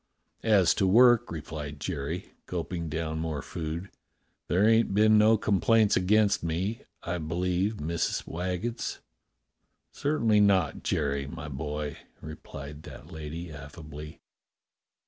"As to work," replied Jerry, gulping down more food, "there ain't been no complaints against me, I believes, Missus Waggetts.^" "Certainly not, Jerry, my boy," replied that lady affably.